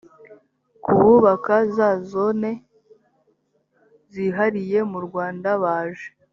ku bubaka za zone zihariye murwanda baje